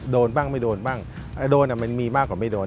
โดนบ้างไม่โดนบ้างโดนมันมีมากกว่าไม่โดน